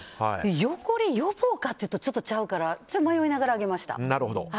汚れ予防かというとちょっとちゃうから迷いながら上げました。